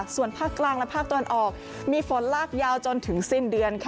ส่วนภาคกลางและภาคตะวันออกมีฝนลากยาวจนถึงสิ้นเดือน